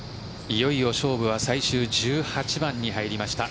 いよいよ勝負は最終１８番に入りました。